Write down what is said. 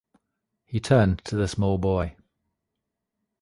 He turned to the small boy.